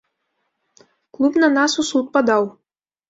Клуб на нас у суд падаў.